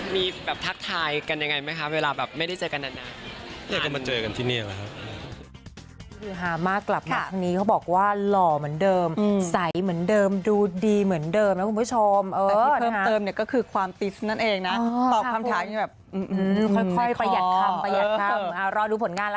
มีแบบทักทายกันยังไงไหมคะเวลาแบบไม่ได้เจอกันนาน